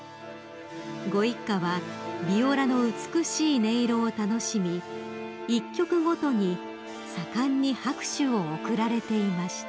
［ご一家はビオラの美しい音色を楽しみ１曲ごとに盛んに拍手を送られていました］